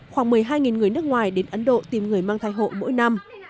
khoảng một mươi hai người nước ngoài đến ấn độ tìm người mang thai hộ mỗi năm